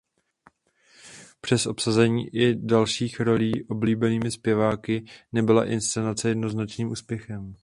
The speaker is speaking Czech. Přes obsazení i dalších rolí oblíbenými zpěváky nebyla inscenace jednoznačným úspěchem.